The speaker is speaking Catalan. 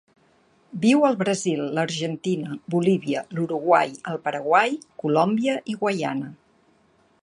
Viu al Brasil, l'Argentina, Bolívia, l'Uruguai, el Paraguai, Colòmbia i Guaiana.